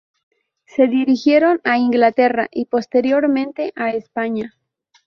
Se dirigieron a Inglaterra y, posteriormente, a España.